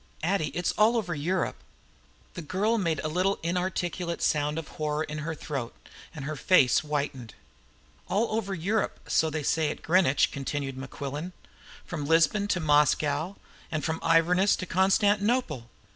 Addie, it's all over Europe." The girl made a little inarticulate sound of horror in her throat, and her face whitened. "All over Europe, so they say at Greenwich," continued Mequillen. "From Lisbon to Moscow, and from Inverness to Constantinople!